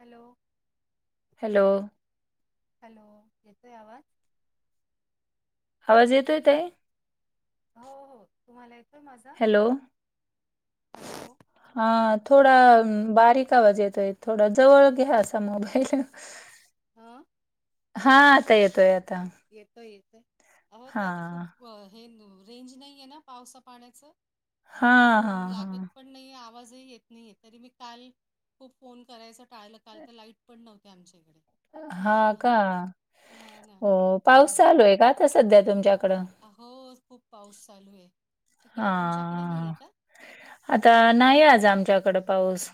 Hello! Hello! Hello येतोय आवाज. आवाज येतोय ताई. हो हो तुम्हाला येतोय माझा? हॅलो हॅलो हा! थोडा बारीक आवाज येतोय थोडा, जवळ घ्या असा मोबाईल. हा! हा आता येतोय आता. येतोय येतोय, अहो हा ते आता खूप. अ हे रेंज नाही आहे ना पावसा पाण्याच हा त हा फोन हा लागत पण नही आवाजही येत नाही, तरी मी काल खूप फोन करायचं टाळलं काल त लाईट पण नव्हती आमच्या ईकडे. हा का हा ना! हो हा. पाऊस चालू आहे का, आता सध्या तुमच्याकडं. अहो खूप पाऊस चालू हे, तीकडे हा तुमच्याकडे नही हे का? आता नाही, आज आमच्याकडं पाऊस.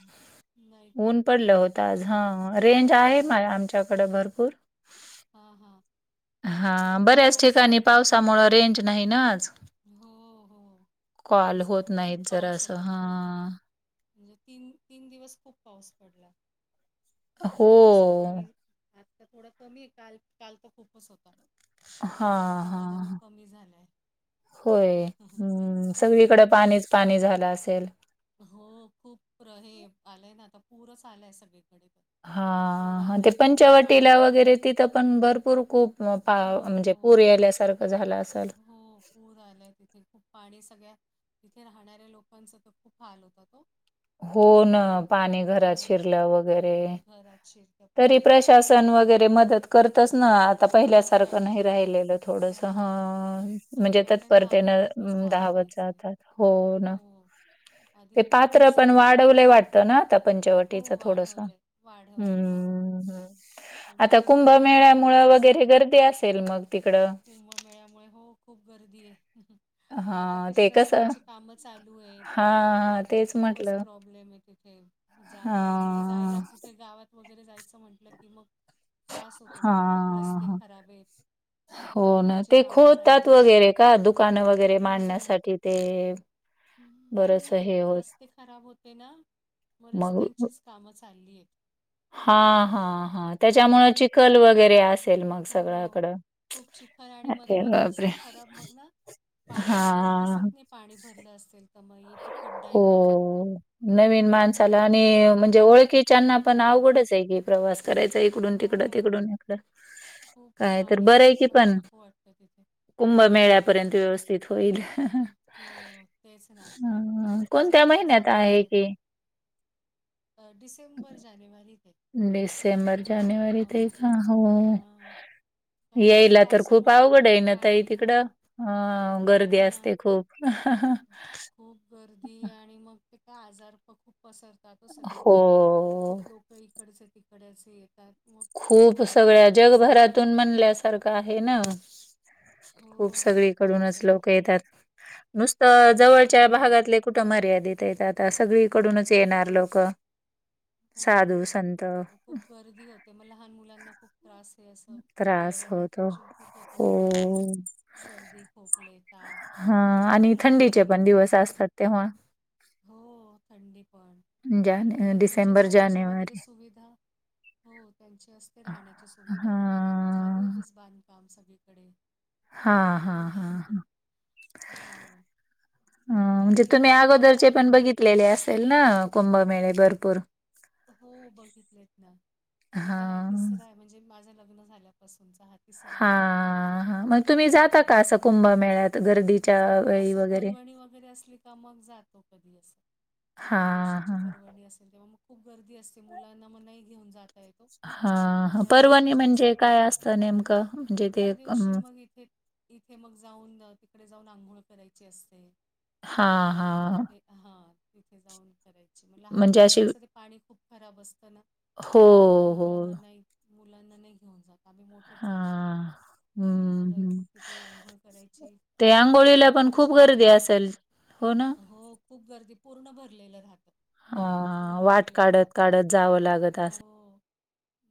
नाही का ऊन पडलं होतं आज, आमच्याकडे हं रेंज आहे मा आमच्याकड भरपूर. हा हा! हा बऱ्याच ठिकाणी पावसामुळ, रेंज नाही ना आज. हो हो कॉल तेच ना होत खूप नाहीत जरा पाऊस असं होता खूप. हा म्हणजे तीन-तीन दिवस खूप पाऊस पडला. आता थोडास कमी हो. आता थोडा कमी हे काल-काल तर खूपच होता. आज जरा हां, त्या मानाने हां. कमी झालाय. होय हूं हो सगळीकड ना. पाणीच पाणी झालं असेल. हो खूप प्र हे आलय ना आता पूरच आलाय सगळीकडे त. हा! ते पंचवटीला वगैरे तिथं पण भरपूर खूप पा हो, म्हणजे हो. पूर याल्यासारखं. झाला असां. हो पूर आलाय तिथे खूप पाणी सगळ्या तिथे राहणाऱ्या लोकांच त खूप हाल होतात हो. हो म ना, तिथे पाणी घरात हो शिरलं वगैरे. घरात शीर तरी प्रशासन वगैरे मदत करतच ना आ ता करतात पहिल्यासारखं नही करतात राहिलेलं हो थोडस हं! म्हणजे करतात नाही तर तत्परतेन आधी खूपच हाल धावत व्हायचे जातात हो ना. आधी ते खूपच पात्र असं पण म्हणजे वाढवल वाटत ना आता हो पंचवटीच थोडस हूं. वाढवलंय वाढवलंय हो हूं हूं! पण मग आता तरी पाणी कुंभमेळ्यामुळ, खूपच असतं वगैरे गर्दी असेल मग तिकडं. कुंभमेळ्यामुळे हो खूप गर्दी हे, आता हां, कशी ते कसं हां, रस्त्यांची कामं चालू आहे. हां, त तेच खूपच म्हटलं. प्रॉब्लेम आहे तिथे, जाताय म्हणजे जायला हां, कुठे कुठे गावात वगैरे जायचं म्हंटलं की मग त्रास होतो, मग हां, खूप रस्ते हां. खराब हे. हो ना ते खोदतात वगैरे का दुकानं वगैरे हो. मांडण्यासाठी ते. नाही, बरंच नाही हे होत रस्ते खराब होते ना म रस्त्यांचीच कामं चालली हेत. हा हा! हा त्याच्यामुळं चिखल वगैरे असेल मग हो. सगळ्याकडं खूप चिखल आणि अरे मध्ये-मध्ये बापरे! रस्ते खराब मग ना पाण्याच हां, दिसत नाही पाणी भरलं असेल तर मग इथे. खड्डा आहे का? हो मग नवीन ते माणसाला आणि भीती वाटते. म्हणजे ओळखी त्यांना पण हो, आवडच आहे की प्रवास करायचा इकडून -तिकडं हो. तिकडून- इकडं खूप काय तर पाणी बरं आहे की असताना मग पण नको वाटतं तिथे. कुंभमेळ्यापर्यंत व्यवस्थित होईल. हो तेचं ना अ, बघू कोणत्या झाले तर महिन्यात चांगलेच आहे आहेत. की? डिसेंबर - जानेवारी ते. डिसेंबर- जानेवारी, ते आहे का हो. हां. कारण आता येईल तर खूप पावसामुळे काय अवघड ना आहे ताई पाणी तिकडं? हां. अ- गर्दी हो ना. असते खूप. खूप गर्दी आणि मग ते का आजार प खूप पसरतातो सगळे हो खूप लोक इकडं चं तिकडे असे येतात. मग खूप रोगराई सगळ्या खूप पसरते. जगभरातून म्हणल्यासारखं आहे ना. खूप हो, खरंच सगळीकडूनच आहे ना. लोक येतात. नुसतं हो, जवळच्या भागातले कुठं मर्यादितेत येतात सगळी कडूनच येणार तेच लोक ना. साधू हो, संत. खूप गर्दी होती. मग लहान मुलांना खूप त्रास आहे असं त्रास वायरल होतो इन्फेक्शन खूप होतं हो मुलांना. सर्दी, खोकल, ताप, हा आणि फार थंडीचे पण वाढतात दिवस मुलांचे. असतात तेव्हा. हो, थंडी पण जाने त्यांची डिसेंबर, राहण्याची, वगैरे जानेवारी. सुविधा? हो त्यांची असते राहण्याची सुविधा वगैरे आता चालू हां. येच बांध काम सगळीकडे हां, चालू हां, हां, आहे हो [inaudible] ह काय म्हणजे म्हणता तुम्ही बाकी अगोदरचे आता पण मुल बघितलेले असेल ना कुंभमेळे भरपूर? हो बघितलेत ना माझा हा हां. तिसरा आहे म्हणजे, माझं लग्न झाल्यापासूनचा हात. हा हा, मग तुम्ही जाता का असं आहे. कुंभ, मेळ्यात गर्दीतं. असं परर्वणी, वगैरे असली, का मग जातो कधी असं. ज्या हां, दिवशीची हां. परवणी असेल, तेव्हा मग खूप गर्दी असते मुलांना, मग नाही घेऊन जात. येतो हां, मग हां. ज्या पर्वणी दिवशीची म्हणजे असेल, काय तेव्हा असतं नेमकं? म्हणजे ते त्या अं, दिवशी मग इथे इथे मग जाऊन तिकडे जाऊन आंघोळ, करायची असते हां, मग हां. तिथे हा तिथे जाऊनं. करायची मग लहान, म्हणजे मुलांना अशी कसं ते पाणी खूप खराब असतं ना हो, मग लहान, हो. मुलांना नाही. मुलांना नाही घेऊन जात आम्ही मोठ तेच जात हां. हं, मग हं. तिथे आंघोळ करायची. ते आणि मग आंघोळीला पण खूप दर्शन गर्दी घ्यायचं असेल हो ना. हो खूप गर्दी पूर्ण भरलेलं रहात. हा पूर्ण वाट भरलेलं काढत रहात काढत जावं लागत हो. असेल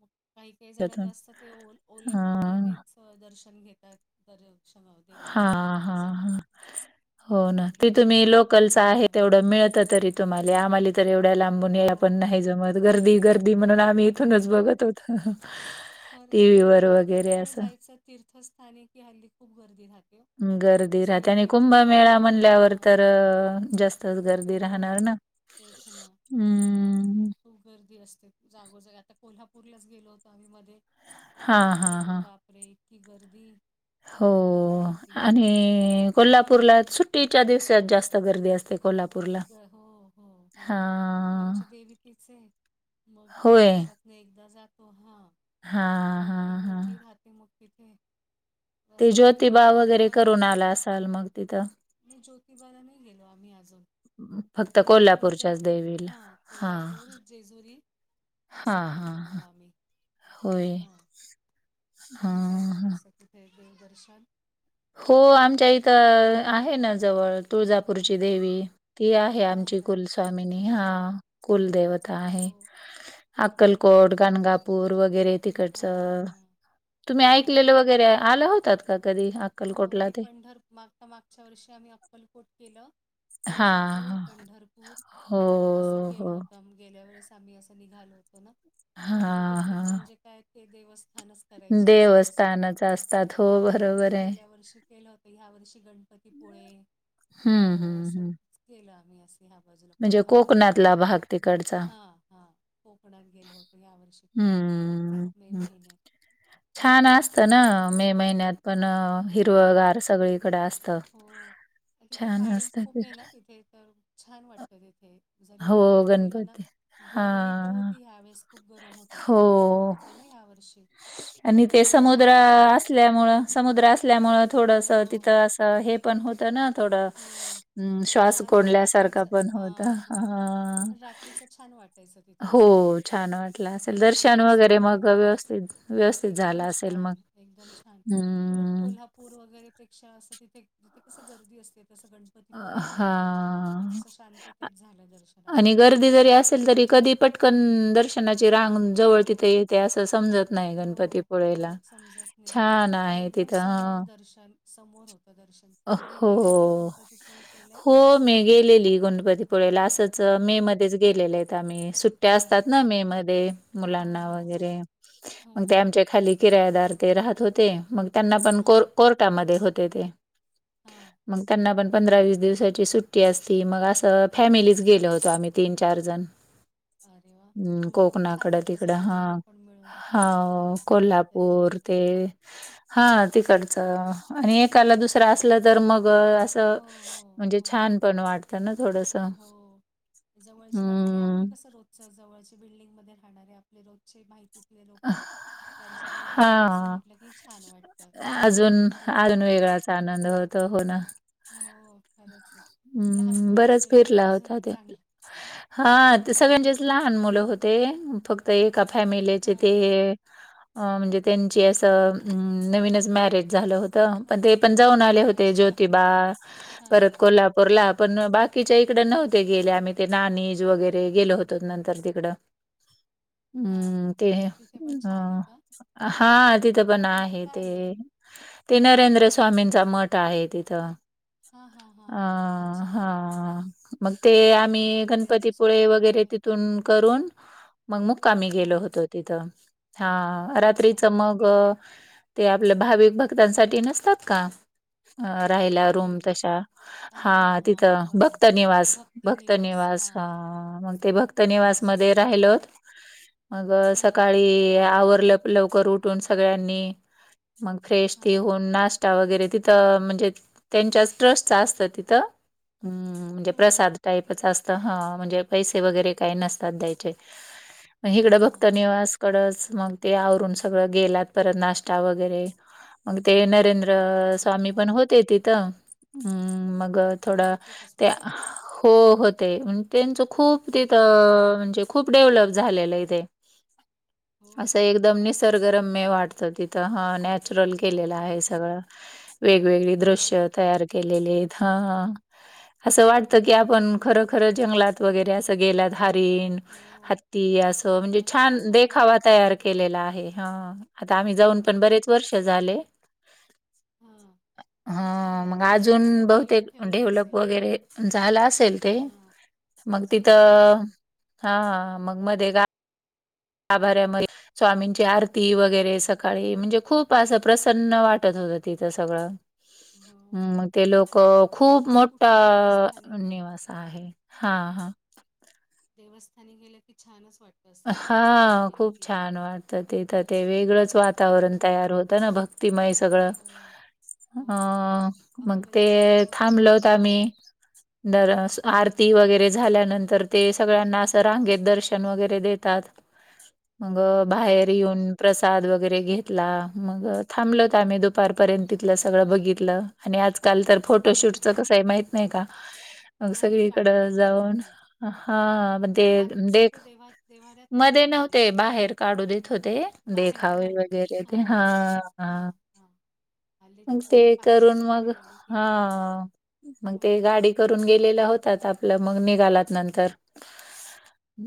मग काही- काही जण तर त्यातून असतात ते ओ ओल्या हा कपड्यानेच दर्शन घेतात. दर्शन हा देवाच, वगैरे हा सगळं. हा हो हम्म, ना थंडी ते पण तुम्ही असते खूप लोकलच त्या आहे दरम्यान. तेवढं मिळत तरी तुम्हाला आम्हाले. तर एवढ्या लांबून यायला पण हो. नाही जमत गर्दी- गर्दी म्हणून आम्ही नाही इथूनच ना. बघत. खरंच. टिव्हीवर प्रत्येक वगैरे ठिकाणी असं. जायचं तीर्थस्थानी हल्ली खूप गर्दी राहते. हो. गर्दी राहते, आणि सगळीकडे म्हणजे कुठे कुंभमेळा म्हणल्यावर हां. तर जास्तच गर्दी हो. राहणार ना. तेच ना हो ना. हम्म खूप गर्दी असते. जागोजग आता कोल्हापूरलाच गेलो होतो आम्ही मध्ये हा तर तिथे हा हा पण बापरे इतकी गर्दी हो. खूप गर्दी होती आणि कोल्हापूरला सुट्टीच्या दिवसात जास्त गर्दी असते. कोल्हापूरला. ग हो हो हो हां. आमची देवी तिच ये. मग वर्षात एकदा जातो. हा हा हा की गर्दी राहते मग तिथे ते असं कधी ज्योतिबा कधी वगैरे करून आला असाल मग तिथं नय ज्योतिबाला नय गेलो आम्ही अजून [unintelligible] कोल्हापूर कोल्हापूरच्याच करतो. देवीला. हा हां. कोल्हापूर जेजुरी असं हां, हां, करतो मग हां. आम्ही, होय. हा तुम्ही जाता हां, का हां. असं हे देवदर्शन हो आमच्या इथं आहे ना जवळ तुळजापूरची देवी. ती आहे. हा आमची का कुलस्वामीनी हा कुलदेवता हो आहे. तिथे पण अक्कलकोट, नैवेद्य वगैरे गाणगापूर वगैरे हा तिकडचं हा तुम्ही हा ऐकलेलं वगैरे आलं होतात का कधी अ, आ हो मी पंढर मागता मागच्या वर्षी आम्ही अक्कलकोट केलं. हां, तुळजापूर, हां. पंढरपूर हो, असं केलं हो. होतं आम् गेल्या वेळेस आम्ही अस निघालो होतो न, आपली हां, पिकनिक हां. म्हणजे काय ते देवस्थानच करायची असंच असतं. देवस्थानच असतात. हो, हूं मग बरोबर आहे. च्या वर्षी केलं होत. ह्या वर्षी गणपतीपुळे अ हं, हं, हं. असच केलं आम्ही अस ह्या बाजूला म्हणजे कोल्हापूर वे कोकणातला भाग तिकडचा. हा हा कोकणात गेलो होतो ह्या वर्षी फिरायला हं, मे हं. महिन्यात. छान मग असत न तिथे पण मे छान महिन्यात पण हो हिरवगार सगळीकड अस हो म तिथे पाणी ते. खूप ये ना तिथे तर छान वाटतं तिथे जरी हो, उन्हाळ्यात गेलो ना गणपती. गरमी तर हां. होती ह्या वेळेस, खूप गरम होत होत. ऊन खूप हो. होतं ना ह्या वर्षी आणि ते समुद्र असल्यामुळ, समुद्र असल्यामुळ थोडस हो तिथं असं हे पण होत ना थोडं हो अं श्वास छान कोंढल्यासारखा पण होत. रात्रीच छान वाट वाटायचं तिथे असं हो गेलं की छान वाटलं असेल दिवसभर दर्शन असतो वगैरे ऊन मग तिथे व्यवस्थित व्यवस्थित एकदम झाला असेल मग छान एकदम छान उलट हम्म कोल्हापूर वगैरेपेक्षा असं तिथे, तिथे कसं गर्दी असते तसं गणपतीपुळेला नव्हतं. हा. तसं शांततेत झालं दर्शन आमचं र्दी जरी असेल तरी कधी पटकन दर्शनाची रांग जवळ हो, तिथे येते असं समजत नाय हो. गणपतीपुळेला ओळख समजत नाही छान आणि हाय एकदम तिथं समोर अं दर्शन, समोर होतं दर्शन. अ तुम्ही हो गेलाय का हो गणपतीपुळे केलंय? हो. मी गेलेली गणपतीपुळेला असंच मे हां, मध्येच गेलेलेत आम्ही सुट सुट्या हां असतात ना का? मे मध्ये हां, मुलांना हां, हां. वगैरे मग ते हो. आमच्या खाली किरायादार ते राहत होते. मग त्यांना पण कोर कोर्टामध्ये होते ते हा मग त्यांना पण पंधरा वीस दिवसाची सुट्टी असती. मग असं, फॅमिलीच गेलो होतो आम्ही तीन चार जण अरे वाह! हम्म हां, मग छान कोकणाकड वाटतं तिकड, हा, सगळेजण पण मिळून हा असं कोल्हा कधीतरी पोर जायला. ते हा तिकडचं आणि एकाला दुसरं असलं तर मग अस हो, हो, म्हणजे हो. छान पण वाटत ना थोडस हो जवळची आणि आपलं हम्म. कसं रोच च जवळचे बिल्डिंगमध्ये राहणारे आपले रोजचे माहितीतले लोकं त्यांच्याबरोबर जायचं हां. म्हंटलं की छान वाटत खरंच आहे. त हो ना अ हो खरंच आहे लहान हम्म. मुलं अस बरंच फिरला होता त्या हा ते हो सगळ्यांचेच लहान मुलं होते फक त्या एका फॅमिलीचे ते हां हे अ म्हणजे त्यांची असं अम्म नवीनच मॅरेज झालं हो त पण हां ते पण जाऊन आले होते अच्छा ज्योतिबा हां परत हां कोल्हापूरला हां पण बाकीच्या इकड नव्हते गेले आम्ही ते नाणीज वगैरे गेलो होत तर नंतर तिकडं [inaudible] अम्म ते तिथे पण छान आहे अं का हा तिथं पण तिथे आहे ते काय आहे ते नरेंद्र स्वामींचा मठ आहे तिथं. हा हा आ हा मग ते हां आम्ही नरेंद्र गणपतीपुळे स्वामी नाव वगैरे ऐकले तिथून करून मग मुक्कामी हां गेलो होतो तिथं, हा अच्छा रात्रीच मग ते आपल्या भाविक भक्तांसाठी नसतात का राहिला आहे रूम तशा हा हां हां हां तिथं व- भक्तनिवास भक्ती निवास भक्तनिवास हां हा हां मग ते भक् भक्त निवास मध्ये राहिलोत मग हा सकाळी आवरलं लवकर उठून सगळ्यांनी मग फ्रेश हा ते होऊन नाश् च्या वगैरे तिथं म्हणजे त्यांच्याच ट्रस्ट असतं तिथं. हा म्हणजे हा प्रसाद टाईप तेच असत हं म्हणजे पैसे वगैरे काही नसतात द्यायचे मग हिकडं हा भक्त हा निवास कडच मग ते आवरून सगळं गेलात परत नाश्ता वगैरे मग ते नरेंद् अं अरे स्वामी वा पण होते तिथ अम्म मग ते थोड होते का त्या स्वतः हो होते अन त्यांचं खूप होते का तिथं म्हणजे खूप डेव्हलप झालेलं आहे तेे. हो असं का एकदम निसर्गरम्य अरे वा वाटत तिथं ह न चुललं केलेलं हो आहे का सगळं वेगवेगळी अरे दृश्य वा तयार केलेले आहेत हं, अस वाटत की अरे आपण वा खरं खरं जंगलात वगैरे असं गेल्यात हरीण हो हत्ती अस म्हणजे अच्छा छान अरे वा देखावा तयार केलेला आहे ह, आता आम्ही जाऊन अरे पण वा बरेच वर्ष झाले. हं पण छान हां आहे. मग म्हणजे त्यांनी अजून केलं बहुतेक ठेवलं डेव्हलप असेल वगैरे त्यांनी झालं असेल ते. हा मग अजून केलं तिथं असेल हा मग मध्ये गा गाभाऱ्यामध्ये स्वामींची आरती वगैरे सकाळी म्हणजे खूप असं प्रसन्न वाटत होतं तिथं सगळं हो हम्म मग ते लोक खूप असं कुठले देवस्थानी मोठं निवास आहे. हा हा देवस्थानी गेलं की छानच वाट हा खूप छान वाटतं तिथं ते खरंच आहे वेगळंच हो वातावरण ना तयार होतं ना भक् तीमय सगळं हो हो अ मग ते अक्कलकोटला वगैरे थांबल पण होतो आम्ही छान आहे दर स हा आरती वगैरे झाल्यानंतर ते सगळ्यांना असं रांगेत दर्शन वगैरे देतात. मग बाहेर हां, येऊन प्र साद वगैरे घेतला, मग थांबलं होतो आम्ही दुपारपर्यंत तिथलं सगळं बघितलं. आणि आजकाल तर हां. फोटोशूटच कसं आहे माहित नाही का? मग नाही काढू सगळीकडं देत जाऊन, आतमध्ये. हा मग ते नाही आत दे फोटो देव्हा देव्हाऱ्यात नाही मध्ये काढू देत. नव्हते बाहेर काढू देत होते देखावे वगैरे ते, हा. हा हा. मग ते करून मग, गेले की हा मग हो. ते गाडी करून गेलेला होतात आपलं, मग निघालात नंतर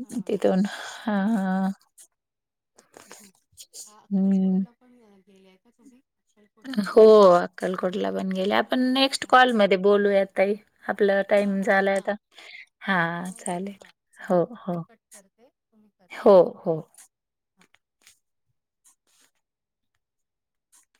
हां. तिथून. हा अरे हा, वाह! अ, हम्म. अक्कलकोटला पण गेलेय का तुम्ही? अक्कलकोट हो केलंय? अक्कलकोटला पण गेल्या आपण नेक्स्ट हां. कॉलमध्ये बोलूया ताई. आपला हां, टाईम हां, झालाय हां. आता. हा हो, हो. चालेल. हां, हो चालेल. मी हो. कट करते. तुम्ही करा? हो हो.